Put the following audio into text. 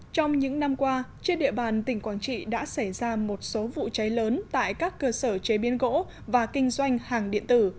trong những năm qua trên địa bàn tỉnh quảng trị đã xảy ra một số vụ cháy lớn tại các cơ sở chế biến gỗ và kinh doanh hàng điện tử